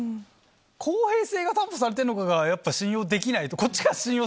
公平性が担保されてるのかがやっぱ信用できないとこっちが。